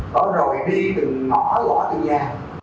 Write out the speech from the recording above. đó rồi đi từng ngõ gõ từng nhà